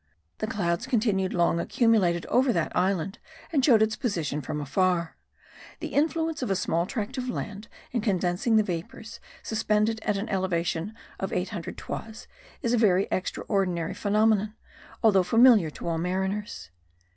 The clouds continued long accumulated over that island and showed its position from afar. The influence of a small tract of land in condensing the vapours suspended at an elevation of 800 toises is a very extraordinary phenomenon, although familiar to all mariners.